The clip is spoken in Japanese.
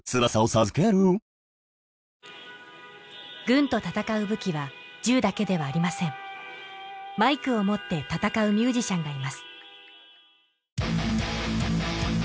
軍と闘う武器は銃だけではありませんマイクを持って闘うミュージシャンがいます